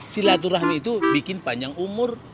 silaturahmi itu bikin panjang umur